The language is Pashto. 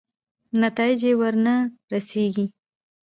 نتایجې ورنه رسېږي.